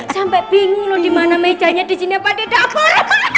sampai bingung loh dimana mejanya disini apa di dapur